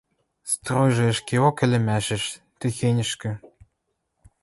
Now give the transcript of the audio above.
Стройжы ӹшкеок ӹлӹмӓшӹш, техеньӹшкӹ